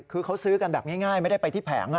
คือเขาซื้อกันแบบง่ายไม่ได้ไปที่แผง